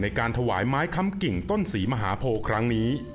ในการถวายไม้คำกิ่งต้นศรีมหาโพครั้งนี้